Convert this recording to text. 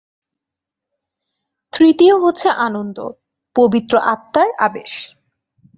তৃতীয় হচ্ছে আনন্দ, পবিত্র আত্মার আবেশ।